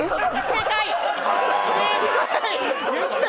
正解。